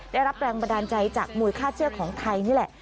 ได้รับแรงบันดาลใจจากมวยฆ่าเชือกของไทยนี่แหละ